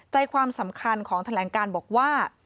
ใจความสำคัญของแถลงการบอกว่า